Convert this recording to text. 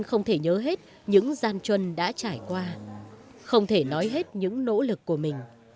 không thể nhớ hết những gian chuân đã trải qua không thể nói hết những nỗ lực của mình